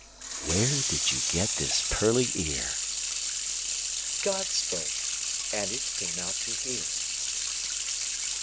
Where did you get this pearly ear? God spoke, and it came out to hear.